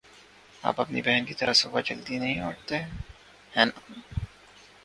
آپ اپنی بہن کی طرح صبح جلدی نہیں اٹھتے، ہے نا؟